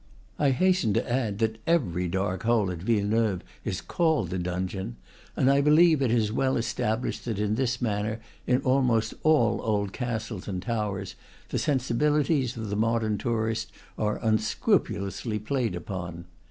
I hasten to add that every dark hole at Villeneuve is called a dungeon; and I believe it is well established that in this manner, in almost all old castles and towers, the sensibilities of the modern tourist are un scrupulously played upon.